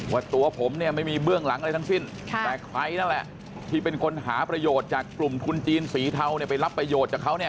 ว่าตัวผมเนี่ยไม่มีเบื้องหลังอะไรทั้งสิ้นแต่ใครนั่นแหละที่เป็นคนหาประโยชน์จากกลุ่มทุนจีนสีเทาเนี่ยไปรับประโยชน์จากเขาเนี่ย